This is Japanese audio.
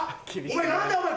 何だお前！